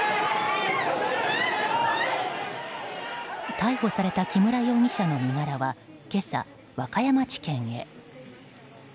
逮捕された木村容疑者の身柄は今朝、和歌山地検へ。